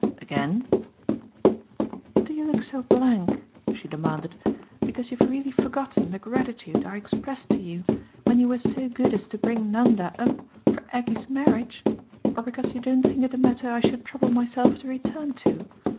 "'Again'?" "Do you look so blank," she demanded, "because you've really forgotten the gratitude I expressed to you when you were so good as to bring Nanda up for Aggie's marriage? or because you don't think it a matter I should trouble myself to return to?